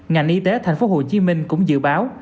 ngành y tế tp hcm cũng dự báo